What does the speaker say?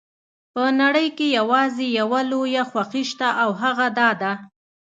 په نړۍ کې یوازې یوه لویه خوښي شته او هغه دا ده.